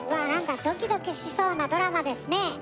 なんかドキドキしそうなドラマですね！